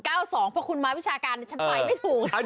เพราะคุณมาวิชาการฉันไปไม่ถูกแล้ว